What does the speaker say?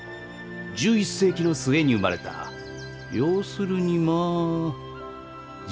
１１世紀の末に生まれた要するにまあじじいさ。